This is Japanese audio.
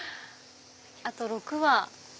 あと６羽。